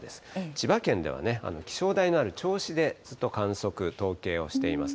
千葉県ではね、気象台のある銚子でずっと観測、統計をしています。